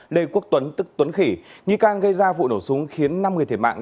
lê quốc tuấn tức tuấn khỉ nghi can gây ra vụ nổ súng khiến năm người thiệt mạng